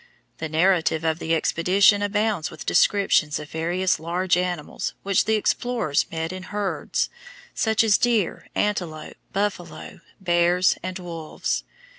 The narrative of the expedition abounds with descriptions of various large animals which the explorers met in herds, such as deer, antelope, buffalo, bears, and wolves.